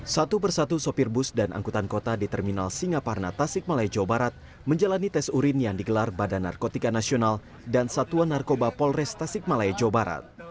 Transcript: satu persatu sopir bus dan angkutan kota di terminal singaparna tasik malaya jawa barat menjalani tes urin yang digelar badan narkotika nasional dan satuan narkoba polres tasikmalaya jawa barat